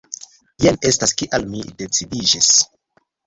Jen estas kial mi decidiĝis.